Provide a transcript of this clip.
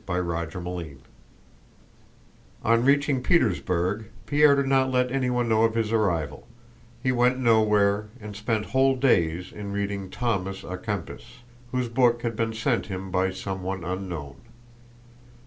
CHAPTER III On reaching Petersburg Pierre did not let anyone know of his arrival, he went nowhere and spent whole days in reading Thomas à Kempis, whose book had been sent him by someone unknown.